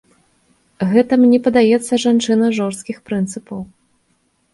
Гэта, мне падаецца, жанчына жорсткіх прынцыпаў.